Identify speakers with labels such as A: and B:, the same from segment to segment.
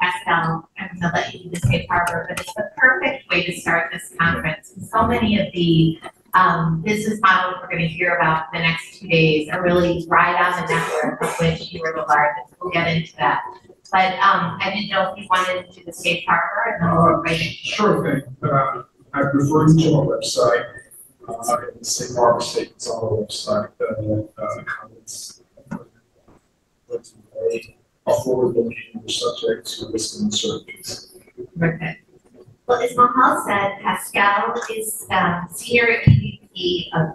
A: I'm speaking back down to the Safe Harbor, but it's the perfect way to start this conference. So many of the business models we're going to hear about in the next few days are really right on the network of which you are the largest. We'll get into that. But I didn't know if you wanted to do the Safe Harbor, and then we'll go right into.
B: Okay. As Mahal said, Pascal is Senior EVP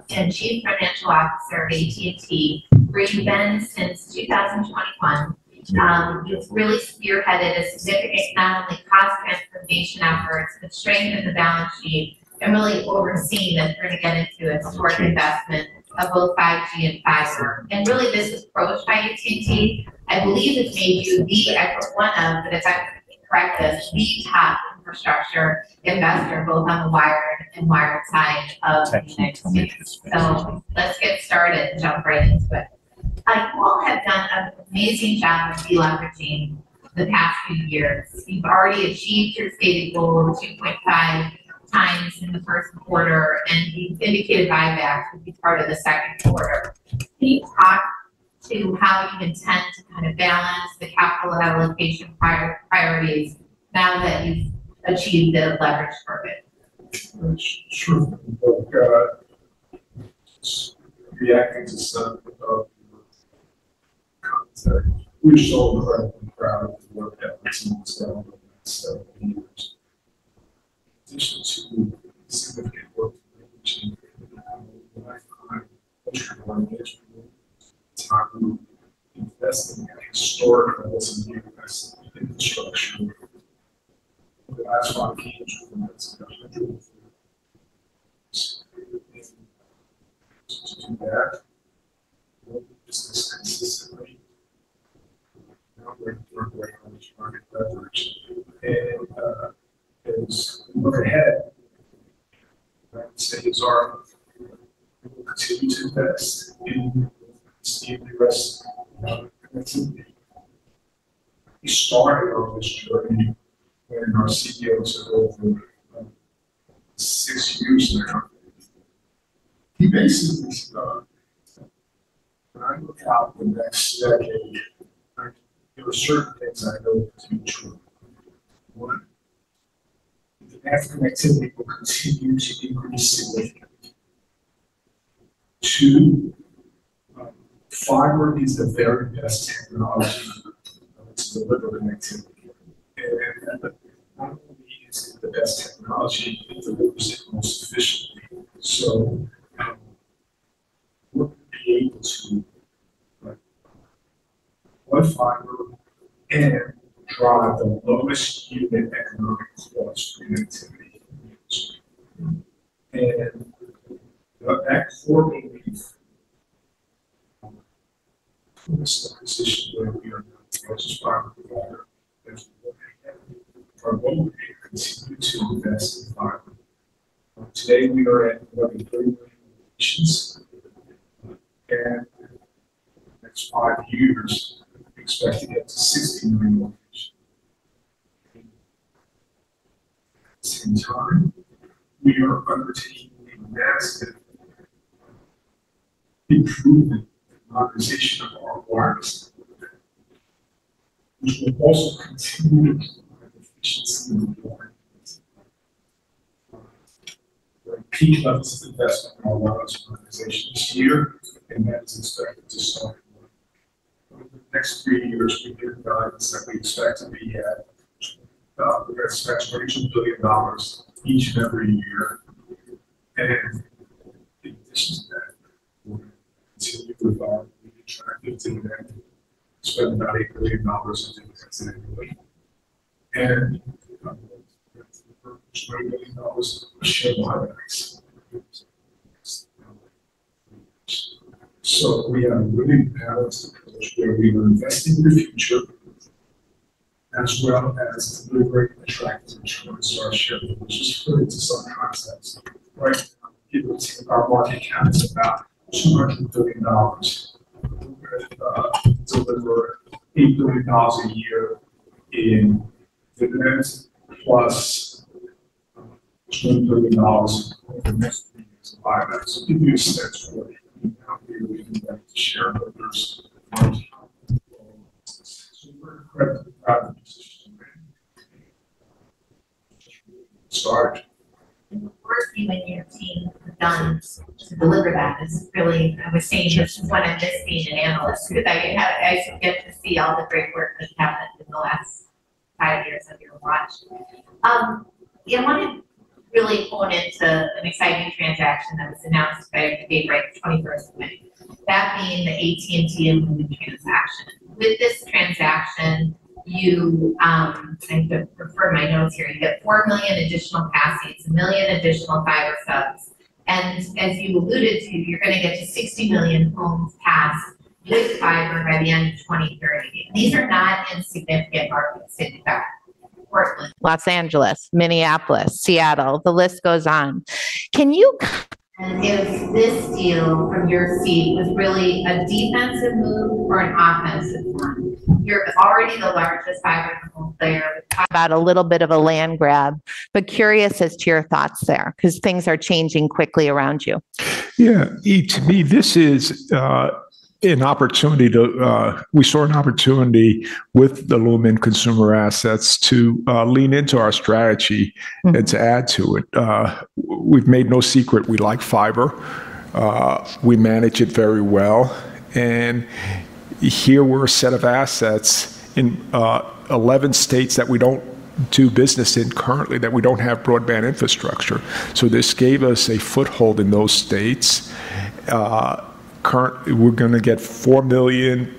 B: and Chief Financial Officer of AT&T, where he's been since 2021. He's really spearheaded a significant not only cost transformation efforts, but strengthened the balance sheet and really overseen the—we're going to get into a historic investment of both 5G and fiber. This approach by AT&T, I believe it's made you the—I put one of, but if I correct this, the top infrastructure investor both on the wired and wired side of the. Let's get started and jump right into it. You all have done an amazing job of deleveraging the past few years. You've already achieved your stated goal of [geuss] 2.5 times in the first quarter, and you've indicated buybacks will be part of the second quarter. Can you talk to how you intend to kind of balance the capital allocation priorities now that you've achieved the leverage target? That being the AT&T and Lumen transaction. With this transaction, you—I'm going to refer to my notes here—you get 4 million additional caskets, a million additional fiber subs. And as you alluded to, you're going to get to 60 million homes passed with fiber by the end of [geuss] 2030. These are not insignificant markets, say, in the back. Los Angeles, Minneapolis, Seattle, the list goes on. Can you? And is this deal from your seat really a defensive move or an offensive one? You're already the largest fiber home player. About a little bit of a land grab, but curious as to your thoughts there, because things are changing quickly around you. Yeah. To me, this is an opportunity to—we saw an opportunity with the Lumen consumer assets to lean into our strategy and to add to it. We've made no secret we like fiber. We manage it very well. Here were a set of assets in 11 states that we don't do business in currently, that we don't have broadband infrastructure. This gave us a foothold in those states. Currently, we're going to get 4 million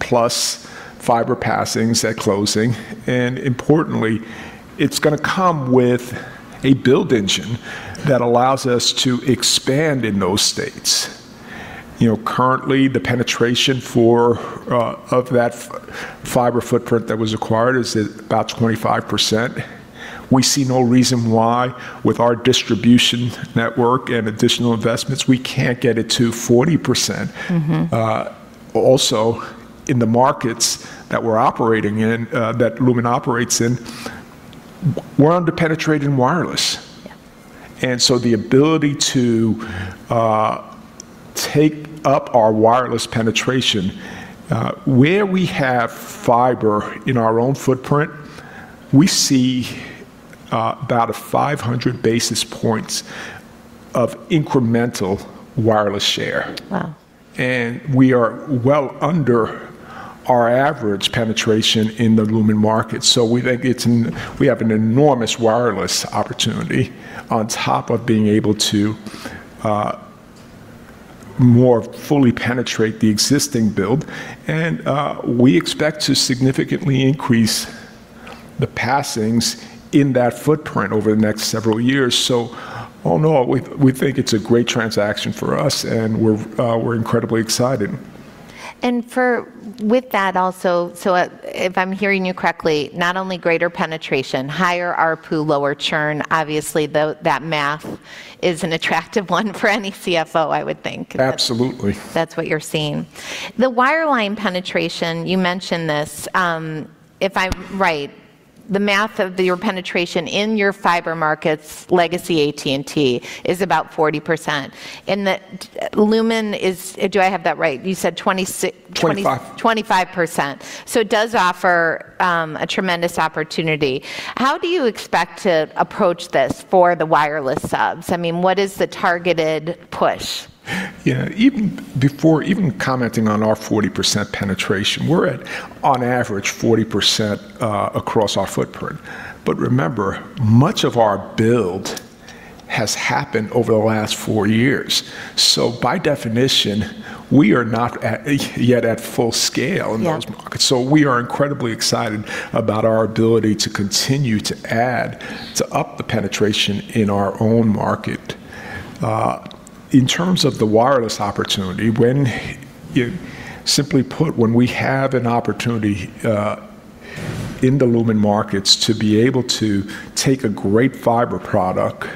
B: plus fiber passings at closing. Importantly, it's going to come with a build engine that allows us to expand in those states. Currently, the penetration of that fiber footprint that was acquired is about 25%. We see no reason why with our distribution network and additional investments, we can't get it to 40%. Also, in the markets that we're operating in, that Lumen operates in, we're underpenetrated in wireless. The ability to take up our wireless penetration where we have fiber in our own footprint, we see about 500 basis points of incremental wireless share. We are well under our average penetration in the Lumen market. We think we have an enormous wireless opportunity on top of being able to more fully penetrate the existing build. We expect to significantly increase the passings in that footprint over the next several years. All in all, we think it's a great transaction for us, and we're incredibly excited. If I'm hearing you correctly, not only greater penetration, higher RPU, lower churn, obviously that math is an attractive one for any CFO, I would think. Absolutely. That's what you're seeing. The wireline penetration, you mentioned this. If I'm right, the math of your penetration in your fiber markets, legacy AT&T, is about 40%. And Lumen is—do I have that right? You said 26%. 25. 25%. It does offer a tremendous opportunity. How do you expect to approach this for the wireless subs? I mean, what is the targeted push? Yeah. Even commenting on our 40% penetration, we're at, on average, 40% across our footprint. Remember, much of our build has happened over the last four years. By definition, we are not yet at full scale in those markets. We are incredibly excited about our ability to continue to add to up the penetration in our own market. In terms of the wireless opportunity, simply put, when we have an opportunity in the Lumen markets to be able to take a great fiber product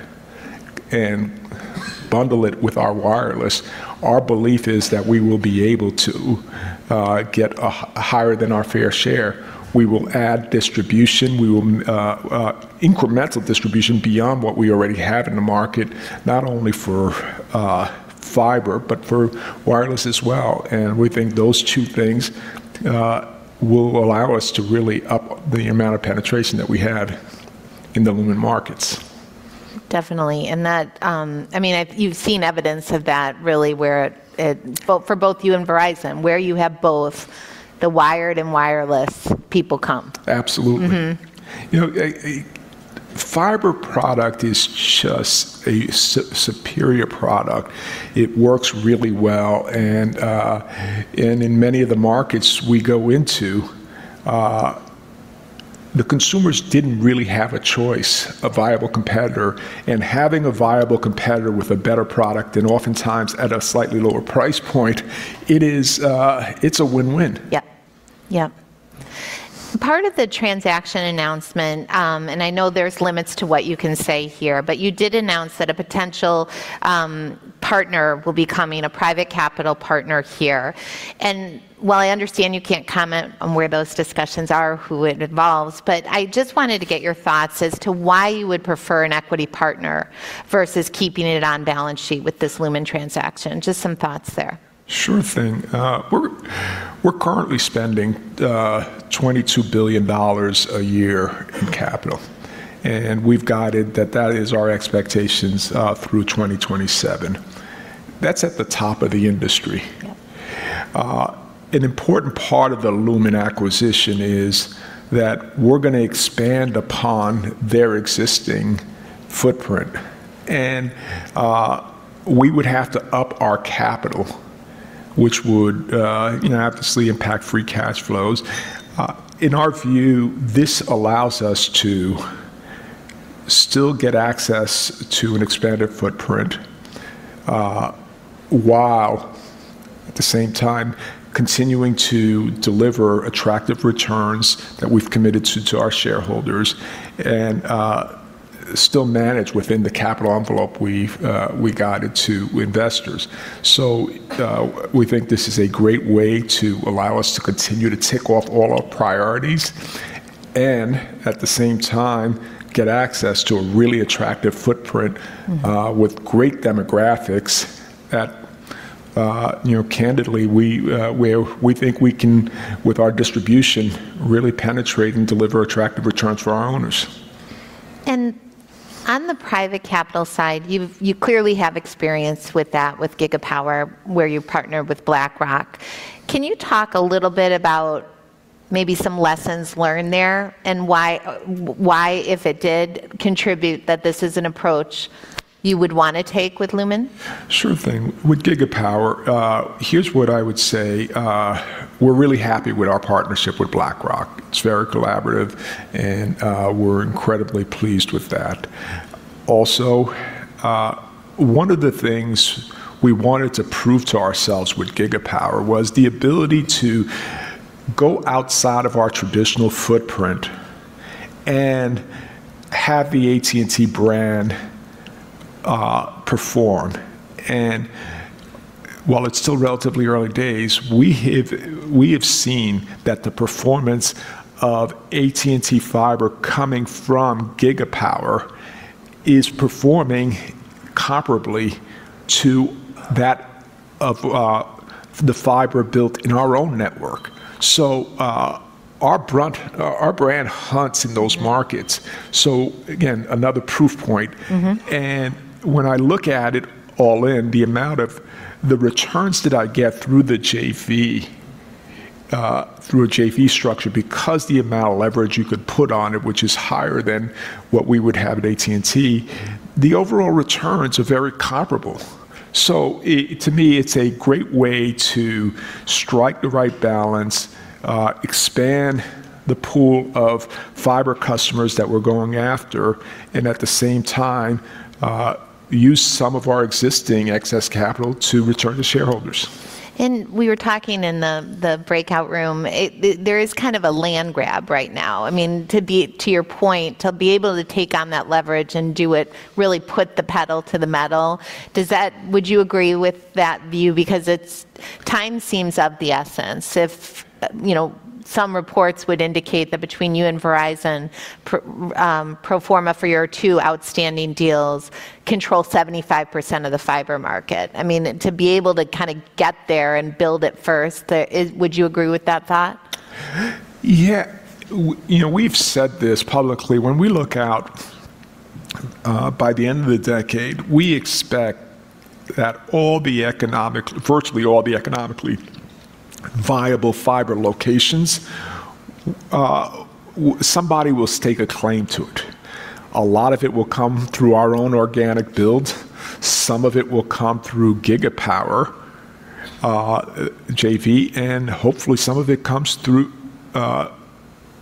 B: and bundle it with our wireless, our belief is that we will be able to get higher than our fair share. We will add distribution. We will incremental distribution beyond what we already have in the market, not only for fiber, but for wireless as well. We think those two things will allow us to really up the amount of penetration that we had in the Lumen markets. Definitely. I mean, you've seen evidence of that really where it—well, for both you and Verizon, where you have both the wired and wireless, people come. Absolutely. Fiber product is just a superior product. It works really well. In many of the markets we go into, the consumers did not really have a choice, a viable competitor. Having a viable competitor with a better product, and oftentimes at a slightly lower price point, it is a win-win. Yep. Yep. Part of the transaction announcement, and I know there's limits to what you can say here, but you did announce that a potential partner will be coming, a private capital partner here. While I understand you can't comment on where those discussions are, who it involves, I just wanted to get your thoughts as to why you would prefer an equity partner versus keeping it on balance sheet with this Lumen transaction. Just some thoughts there. Sure thing. We're currently spending $22 billion a year in capital. We've guided that that is our expectations through 2027. That's at the top of the industry. An important part of the Lumen acquisition is that we're going to expand upon their existing footprint. We would have to up our capital, which would obviously impact free cash flows. In our view, this allows us to still get access to an expanded footprint while at the same time continuing to deliver attractive returns that we've committed to our shareholders and still manage within the capital envelope we guided to investors. We think this is a great way to allow us to continue to tick off all our priorities and at the same time get access to a really attractive footprint with great demographics that, candidly, we think we can, with our distribution, really penetrate and deliver attractive returns for our owners. On the private capital side, you clearly have experience with that with Gigapower, where you partnered with BlackRock. Can you talk a little bit about maybe some lessons learned there and why, if it did contribute, that this is an approach you would want to take with Lumen? Sure thing. With Gigapower, here's what I would say. We're really happy with our partnership with BlackRock. It's very collaborative, and we're incredibly pleased with that. Also, one of the things we wanted to prove to ourselves with Gigapower was the ability to go outside of our traditional footprint and have the AT&T brand perform. While it's still relatively early days, we have seen that the performance of AT&T Fiber coming from Gigapower is performing comparably to that of the fiber built in our own network. Our brand hunts in those markets. Again, another proof point. When I look at it all in, the amount of the returns that I get through the JV, through a JV structure, because the amount of leverage you could put on it, which is higher than what we would have at AT&T, the overall returns are very comparable. To me, it's a great way to strike the right balance, expand the pool of fiber customers that we're going after, and at the same time, use some of our existing excess capital to return to shareholders. We were talking in the breakout room, there is kind of a land grab right now. I mean, to your point, to be able to take on that leverage and do it, really put the pedal to the metal. Would you agree with that view? Because time seems of the essence. Some reports would indicate that between you and Verizon, pro forma for your two outstanding deals, controls 75% of the fiber market. I mean, to be able to kind of get there and build it first, would you agree with that thought? Yeah. We've said this publicly. When we look out by the end of the decade, we expect that virtually all the economically viable fiber locations, somebody will take a claim to it. A lot of it will come through our own organic build. Some of it will come through Gigapower JV. Hopefully, some of it comes through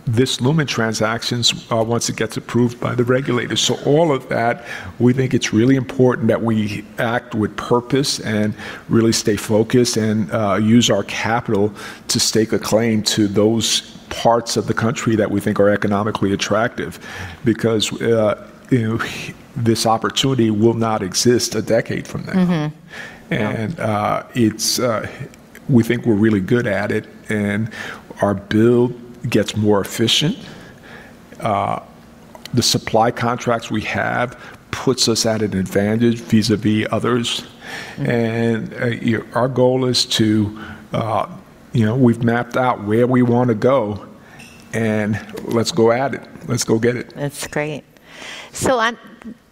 B: this Lumen transactions once it gets approved by the regulators. All of that, we think it's really important that we act with purpose and really stay focused and use our capital to stake a claim to those parts of the country that we think are economically attractive because this opportunity will not exist a decade from now. We think we're really good at it. Our build gets more efficient. The supply contracts we have put us at an advantage vis-à-vis others. Our goal is to—we've mapped out where we want to go. Let's go at it. Let's go get it. That's great.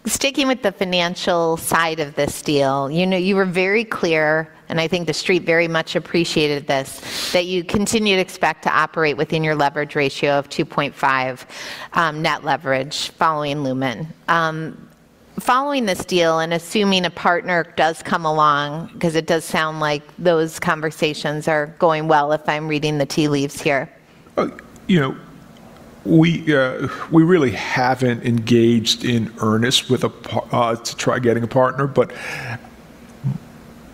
B: Sticking with the financial side of this deal, you were very clear, and I think the street very much appreciated this, that you continue to expect to operate within your leverage ratio of 2.5 net leverage following Lumen. Following this deal and assuming a partner does come along, because it does sound like those conversations are going well if I'm reading the tea leaves here. We really haven't engaged in earnest to try getting a partner.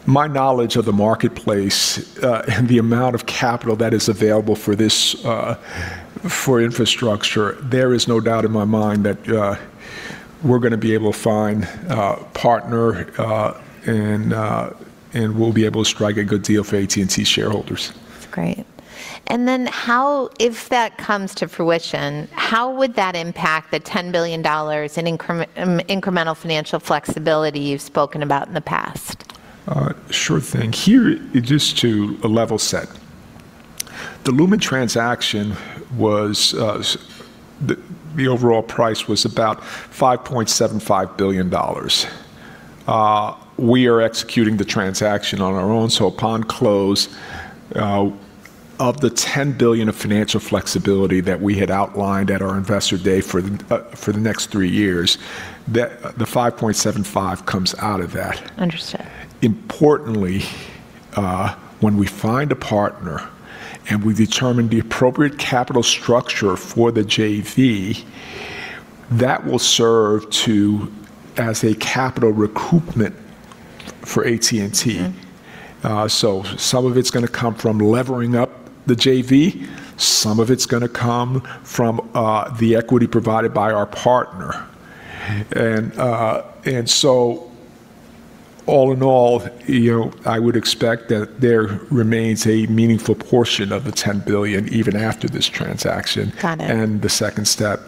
B: My knowledge of the marketplace and the amount of capital that is available for infrastructure, there is no doubt in my mind that we're going to be able to find a partner and we'll be able to strike a good deal for AT&T shareholders. That's great. And then if that comes to fruition, how would that impact the $10 billion in incremental financial flexibility you've spoken about in the past? Sure thing. Here, just to level set, the Lumen transaction was—the overall price was about $5.75 billion. We are executing the transaction on our own. Upon close of the $10 billion of financial flexibility that we had outlined at our investor day for the next three years, the $5.75 billion comes out of that. Understood. Importantly, when we find a partner and we determine the appropriate capital structure for the JV, that will serve as a capital recoupment for AT&T. Some of it is going to come from levering up the JV. Some of it is going to come from the equity provided by our partner. All in all, I would expect that there remains a meaningful portion of the $10 billion even after this transaction and the second step.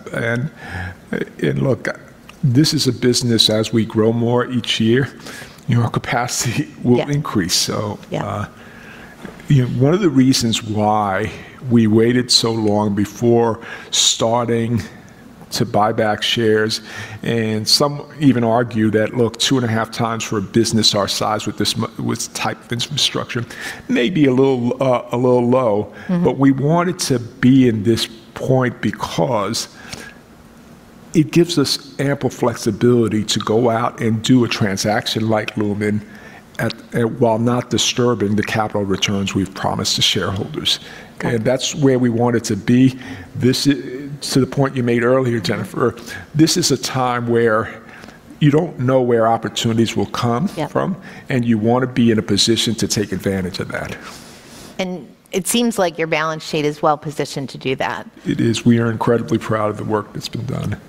B: Look, this is a business as we grow more each year, our capacity will increase. One of the reasons why we waited so long before starting to buy back shares, and some even argue that, look, two and a half times for a business our size with this type of infrastructure may be a little low. We wanted to be in this point because it gives us ample flexibility to go out and do a transaction like Lumen while not disturbing the capital returns we've promised to shareholders. That's where we wanted to be. To the point you made earlier, Jenifer, this is a time where you don't know where opportunities will come from, and you want to be in a position to take advantage of that. It seems like your balance sheet is well positioned to do that. It is. We are incredibly proud of the work that's been done.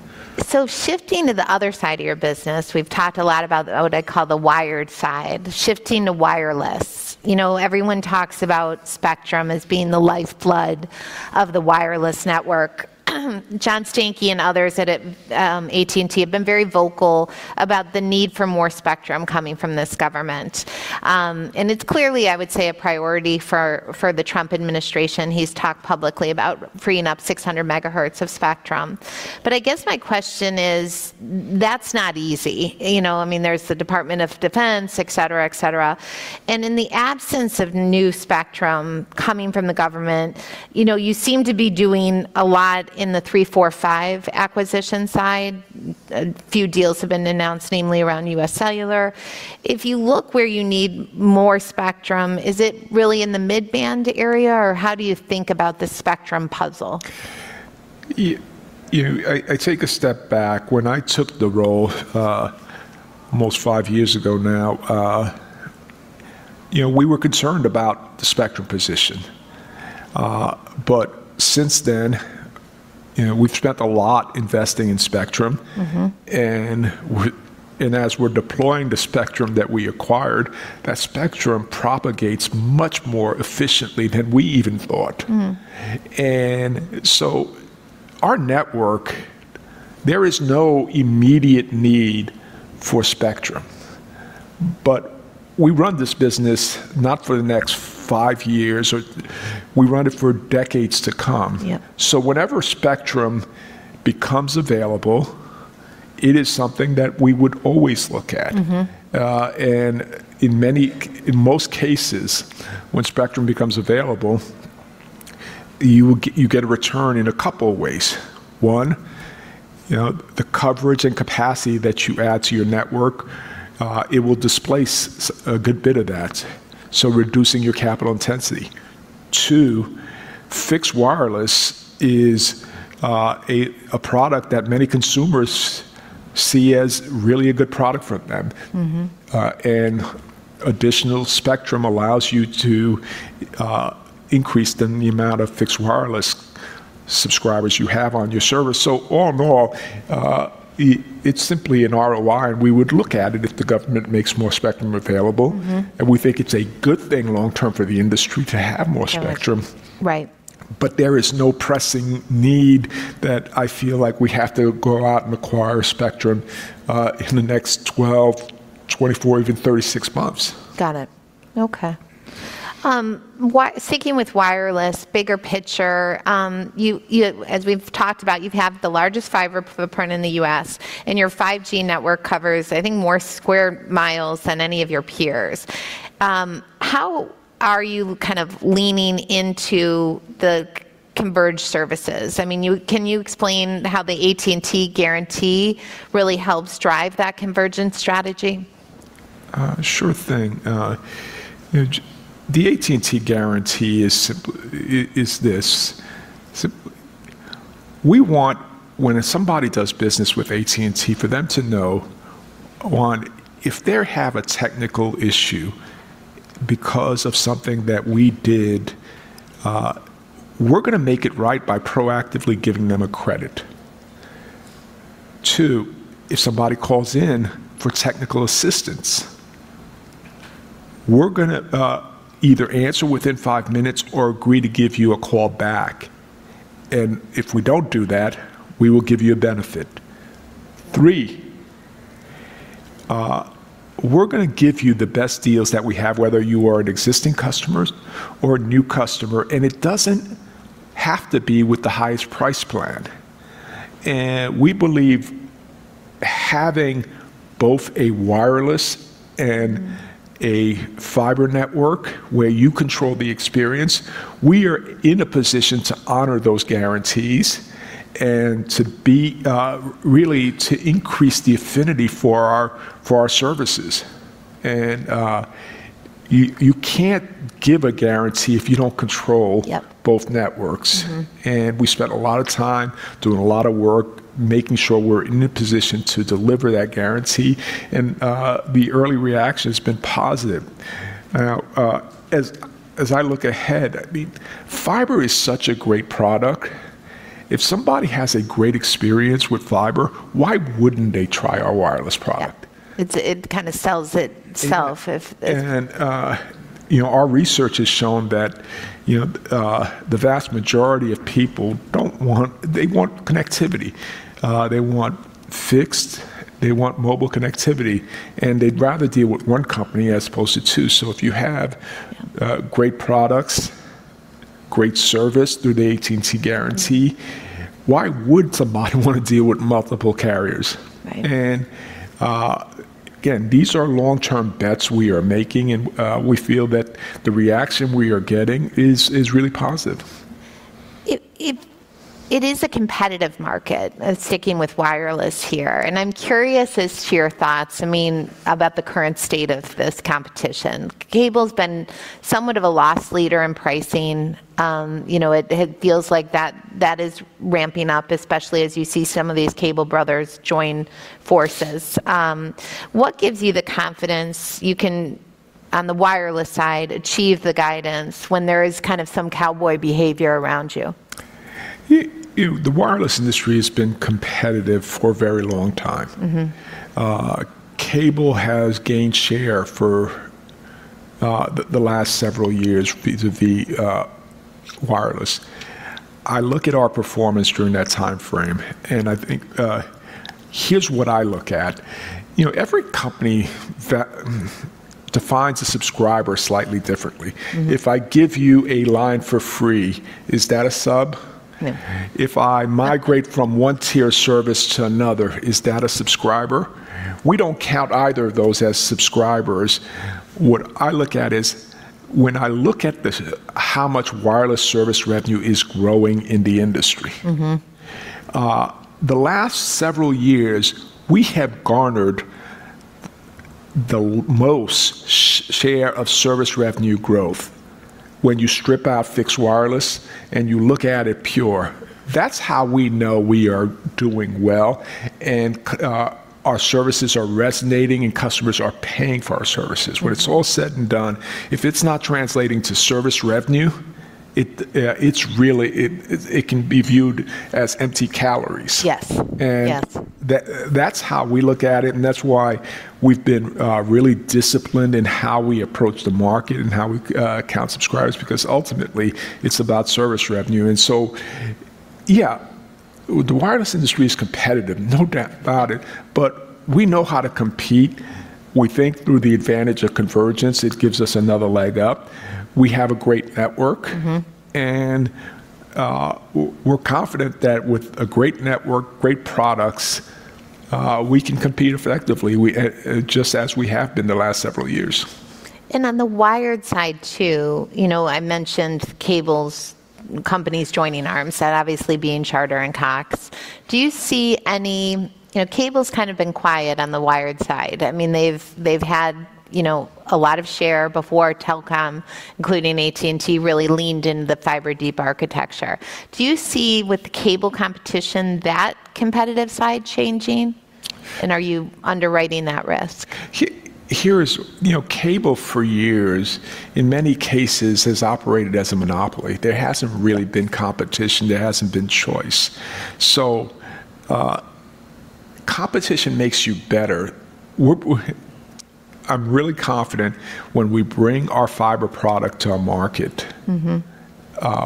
B: Shifting to the other side of your business, we've talked a lot about what I call the wired side, shifting to wireless. Everyone talks about Spectrum as being the lifeblood of the wireless network. John Stankey and others at AT&T have been very vocal about the need for more Spectrum coming from this government. It's clearly, I would say, a priority for the Trump administration. He's talked publicly about freeing up 600 MHz of Spectrum. I guess my question is, that's not easy. I mean, there's the Department of Defense, etc., etc. In the absence of new Spectrum coming from the government, you seem to be doing a lot in the three, four, five acquisition side. A few deals have been announced, namely around UScellular. If you look where you need more Spectrum, is it really in the mid-band area, or how do you think about the Spectrum puzzle? I take a step back. When I took the role almost five years ago now, we were concerned about the Spectrum position. Since then, we've spent a lot investing in Spectrum. As we're deploying the Spectrum that we acquired, that Spectrum propagates much more efficiently than we even thought. Our network, there is no immediate need for Spectrum. We run this business not for the next five years. We run it for decades to come. Whenever Spectrum becomes available, it is something that we would always look at. In most cases, when Spectrum becomes available, you get a return in a couple of ways. One, the coverage and capacity that you add to your network, it will displace a good bit of that, so reducing your capital intensity. Two, fixed wireless is a product that many consumers see as really a good product for them. Additional Spectrum allows you to increase the amount of fixed wireless subscribers you have on your service. All in all, it's simply an ROI. We would look at it if the government makes more Spectrum available. We think it's a good thing long term for the industry to have more Spectrum. There is no pressing need that I feel like we have to go out and acquire Spectrum in the next 12months, 24months to 36 months. Got it. Okay. Sticking with wireless, bigger picture, as we've talked about, you've had the largest fiber footprint in the U.S. And your 5G network covers, I think, more square miles than any of your peers. How are you kind of leaning into the converged services? I mean, can you explain how the AT&T Guarantee really helps drive that convergence strategy? Sure thing. The AT&T Guarantee is this. We want, when somebody does business with AT&T, for them to know if they have a technical issue because of something that we did, we're going to make it right by proactively giving them a credit. Two, if somebody calls in for technical assistance, we're going to either answer within five minutes or agree to give you a call back. If we do not do that, we will give you a benefit. Three, we're going to give you the best deals that we have, whether you are an existing customer or a new customer. It does not have to be with the highest price plan. We believe having both a wireless and a fiber network where you control the experience, we are in a position to honor those guarantees and to really increase the affinity for our services. You can't give a guarantee if you don't control both networks. We spent a lot of time doing a lot of work making sure we're in a position to deliver that guarantee. The early reaction has been positive. As I look ahead, I mean, fiber is such a great product. If somebody has a great experience with fiber, why wouldn't they try our wireless product? It kind of sells itself. Our research has shown that the vast majority of people, they want connectivity. They want fixed. They want mobile connectivity. They'd rather deal with one company as opposed to two. If you have great products, great service through the AT&T Guarantee, why would somebody want to deal with multiple carriers? These are long-term bets we are making. We feel that the reaction we are getting is really positive. It is a competitive market, sticking with wireless here. I'm curious as to your thoughts, I mean, about the current state of this competition. Cable has been somewhat of a loss leader in pricing. It feels like that is ramping up, especially as you see some of these cable brothers join forces. What gives you the confidence you can, on the wireless side, achieve the guidance when there is kind of some cowboy behavior around you? The wireless industry has been competitive for a very long time. Cable has gained share for the last several years vis-à-vis wireless. I look at our performance during that time frame. I think here's what I look at. Every company defines a subscriber slightly differently. If I give you a line for free, is that a sub? If I migrate from one tier service to another, is that a subscriber? We do not count either of those as subscribers. What I look at is, when I look at how much wireless service revenue is growing in the industry. The last several years, we have garnered the most share of service revenue growth when you strip out fixed wireless and you look at it pure. That is how we know we are doing well. Our services are resonating, and customers are paying for our services. When it's all said and done, if it's not translating to service revenue, it can be viewed as empty calories. That's how we look at it. That's why we've been really disciplined in how we approach the market and how we count subscribers, because ultimately, it's about service revenue. Yeah, the wireless industry is competitive, no doubt about it. We know how to compete. We think through the advantage of convergence, it gives us another leg up. We have a great network. We're confident that with a great network, great products, we can compete effectively, just as we have been the last several years. On the wired side, too, I mentioned cable companies joining arms, obviously being Charter and Cox. Do you see any cable kind of been quiet on the wired side? I mean, they've had a lot of share before telecom, including AT&T, really leaned into the fiber deep architecture. Do you see with the cable competition that competitive side changing? And are you underwriting that risk? Cable for years, in many cases, has operated as a monopoly. There hasn't really been competition. There hasn't been choice. Competition makes you better. I'm really confident when we bring our fiber product to our market,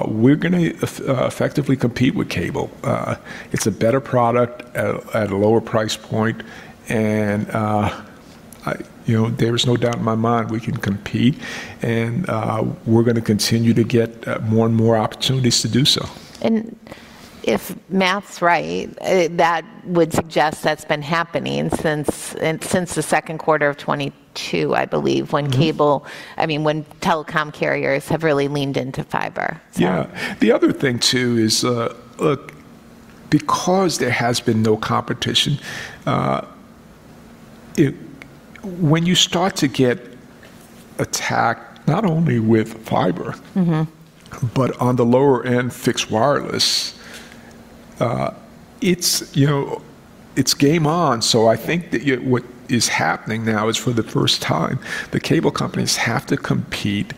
B: we're going to effectively compete with cable. It's a better product at a lower price point. There is no doubt in my mind we can compete. We're going to continue to get more and more opportunities to do so. If math's right, that would suggest that's been happening since the second quarter of 2022, I believe, when cable, I mean, when telecom carriers have really leaned into fiber. Yeah. The other thing, too, is because there has been no competition, when you start to get attacked not only with fiber, but on the lower end, fixed wireless, it's game on. I think what is happening now is for the first time, the cable companies have to compete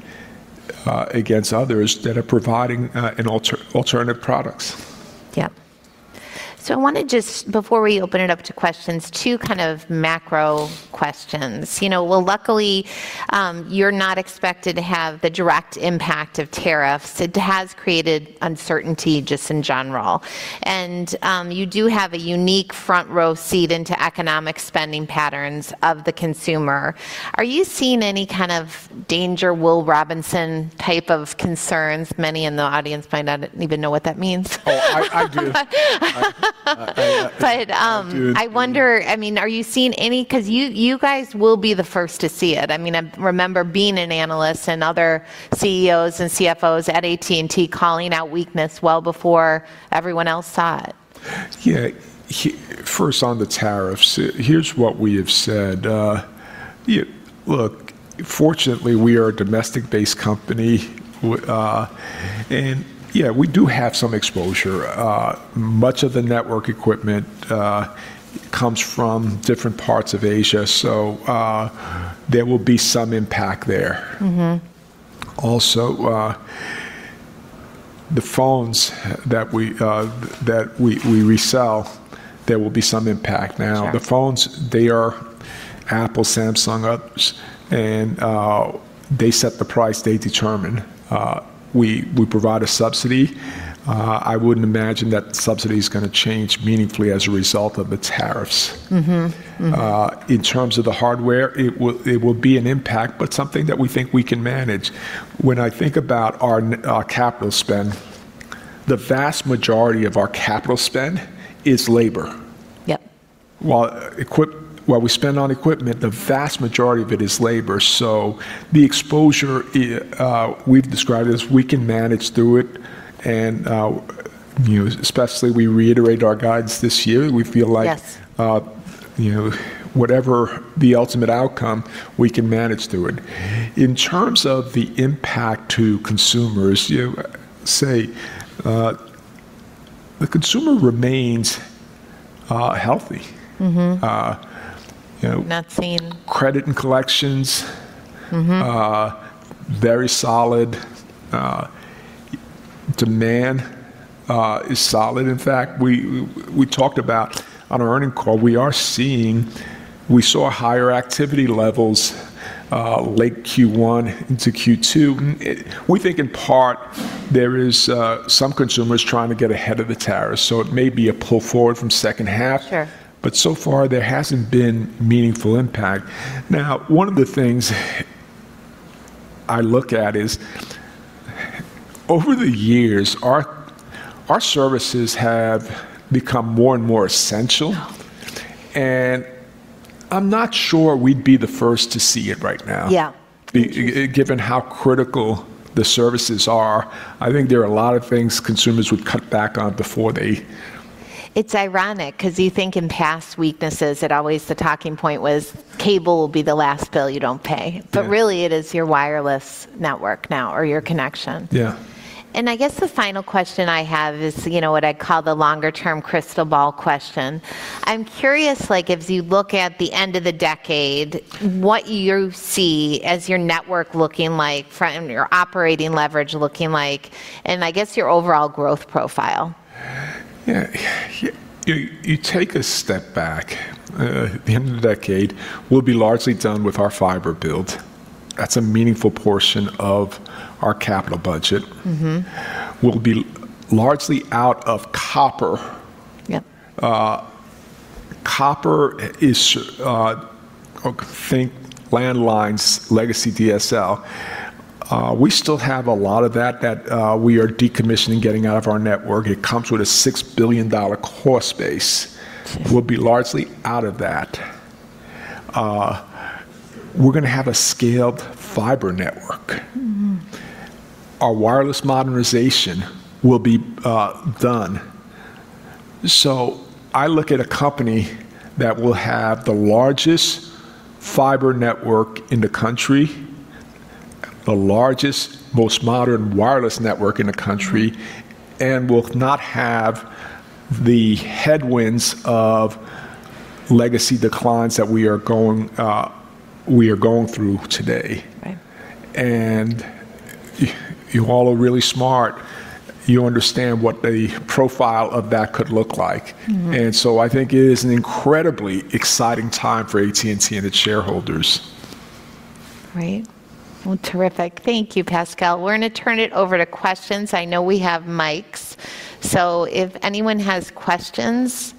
B: against others that are providing alternative products. Yeah. I want to just, before we open it up to questions, ask two kind of macro questions. Luckily, you're not expected to have the direct impact of tariffs. It has created uncertainty just in general. You do have a unique front row seat into economic spending patterns of the consumer. Are you seeing any kind of danger, Will Robinson type of concerns? Many in the audience might not even know what that means. Oh, I do. I wonder, I mean, are you seeing any because you guys will be the first to see it. I mean, I remember being an analyst and other CEOs and CFOs at AT&T calling out weakness well before everyone else saw it. Yeah. First, on the tariffs, here's what we have said. Look, fortunately, we are a domestic-based company. Yeah, we do have some exposure. Much of the network equipment comes from different parts of Asia. There will be some impact there. Also, the phones that we resell, there will be some impact now. The phones, they are Apple, Samsung, others. They set the price, they determine. We provide a subsidy. I wouldn't imagine that subsidy is going to change meaningfully as a result of the tariffs. In terms of the hardware, it will be an impact, but something that we think we can manage. When I think about our capital spend, the vast majority of our capital spend is labor. While we spend on equipment, the vast majority of it is labor. The exposure we've described as we can manage through it. We reiterate our guidance this year. We feel like whatever the ultimate outcome, we can manage through it. In terms of the impact to consumers, the consumer remains healthy. Not seen. Credit and collections, very solid. Demand is solid. In fact, we talked about on our earning call, we are seeing we saw higher activity levels late Q1 into Q2. We think in part there is some consumers trying to get ahead of the tariffs. It may be a pull forward from second half. So far, there hasn't been meaningful impact. Now, one of the things I look at is over the years, our services have become more and more essential. I'm not sure we'd be the first to see it right now, given how critical the services are. I think there are a lot of things consumers would cut back on before they. It's ironic because you think in past weaknesses, it always the talking point was cable will be the last bill you don't pay. Really, it is your wireless network now or your connection. Yeah. I guess the final question I have is what I call the longer-term crystal ball question. I'm curious, as you look at the end of the decade, what you see as your network looking like, your operating leverage looking like, and I guess your overall growth profile. Yeah. You take a step back. The end of the decade will be largely done with our fiber build. That's a meaningful portion of our capital budget. We'll be largely out of copper. Copper is, I think, landlines, legacy DSL. We still have a lot of that that we are decommissioning and getting out of our network. It comes with a $6 billion core space. We'll be largely out of that. We're going to have a scaled fiber network. Our wireless modernization will be done. I look at a company that will have the largest fiber network in the country, the largest, most modern wireless network in the country, and will not have the headwinds of legacy declines that we are going through today. You all are really smart. You understand what the profile of that could look like. I think it is an incredibly exciting time for AT&T and its shareholders. Right. Terrific. Thank you, Pascal. We're going to turn it over to questions. I know we have mics. If anyone has questions,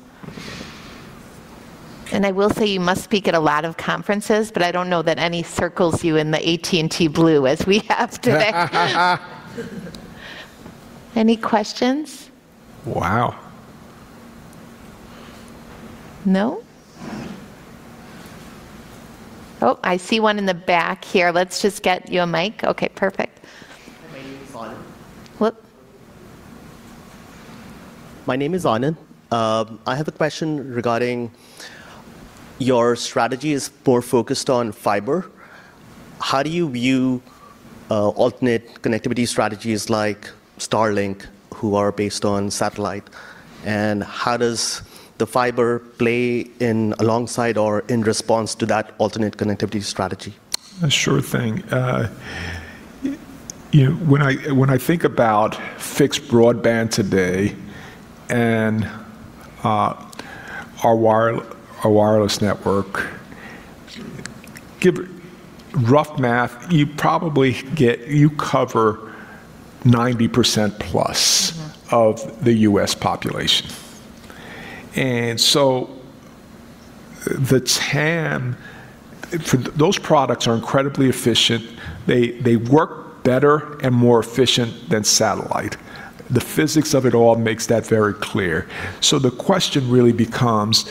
B: I will say you must speak at a lot of conferences, but I do not know that any circles you in the AT&T blue as we have today. Any questions? Wow. No? Oh, I see one in the back here. Let's just get you a mic. Okay, perfect. My name is Onan. My name is Onan. I have a question regarding your strategy is more focused on fiber. How do you view alternate connectivity strategies like Starlink, who are based on satellite? And how does the fiber play alongside or in response to that alternate connectivity strategy? Sure thing. When I think about fixed broadband today and our wireless network, rough math, you cover 90% + of the U.S. population. Those products are incredibly efficient. They work better and more efficiently than satellite. The physics of it all makes that very clear. The question really becomes,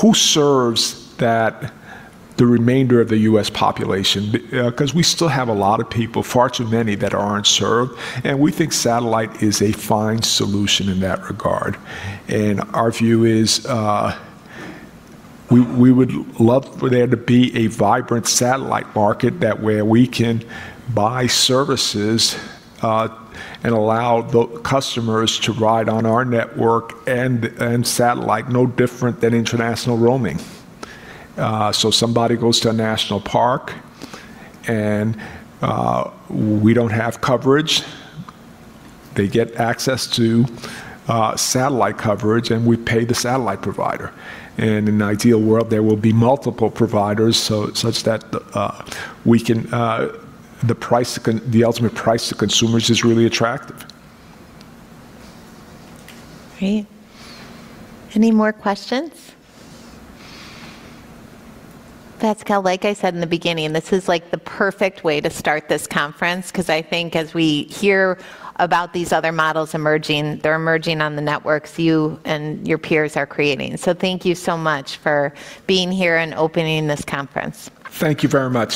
B: who serves the remainder of the U.S. population? Because we still have a lot of people, far too many, that are not served. We think satellite is a fine solution in that regard. Our view is we would love for there to be a vibrant satellite market where we can buy services and allow customers to ride on our network and satellite, no different than international roaming. Somebody goes to a national park and we do not have coverage. They get access to satellite coverage, and we pay the satellite provider. In an ideal world, there will be multiple providers such that the ultimate price to consumers is really attractive. Great. Any more questions? Pascal, like I said in the beginning, this is like the perfect way to start this conference because I think as we hear about these other models emerging, they're emerging on the networks you and your peers are creating. So thank you so much for being here and opening this conference. Thank you very much.